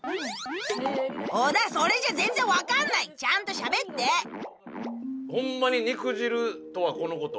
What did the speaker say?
小田それじゃ全然分かんないちゃんとしゃべってホンマに肉汁とはこのこと。